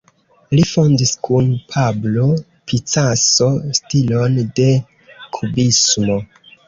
Li fondis kun Pablo Picasso stilon de kubismo.